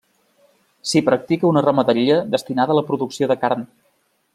S'hi practica una ramaderia destinada a la producció de carn.